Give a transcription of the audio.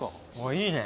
いいね